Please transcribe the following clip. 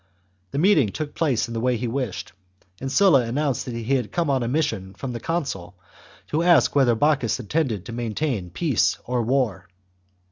The meeting took place in the way he wished, and Sulla announced that he had come on a mission from the consul to ask whether Bocchus intended to maintain peace or war.